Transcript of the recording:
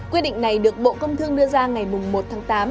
quyết định này được bộ công thương đưa ra ngày một tháng tám